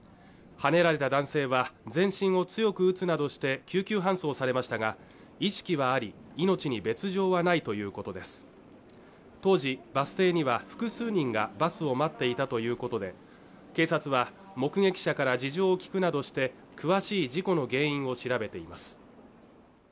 はねられた男性は全身を強く打つなどして救急搬送されましたが意識はあり命に別状はないということです当時バス停には複数人がバスを待っていたということで警察は目撃者から事情を聴くなどして詳しい事故の原因を調べています